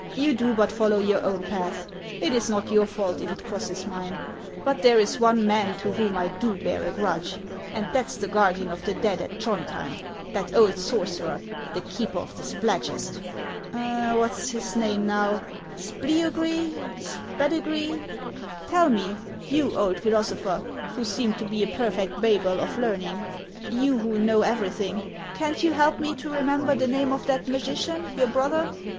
You do but follow your own path ; it is not your fault if it crosses mine. But there is one man to whom I do bear a grudge, and that 's the guardian of the dead at Throndhjem, — that old sorcerer, the keeper of the Spladgest. What 's his name now, — Spliugry ? Spadugry ? Tell me, you old philosopher, who seem to be a perfect 158 HANS OF ICELAND. Babel of learning, — you who know everything, can't you help me to remember the name of that magician, your brother